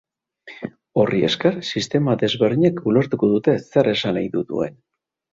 Horri esker, sistema desberdinek ulertuko dute zer esan nahi duen.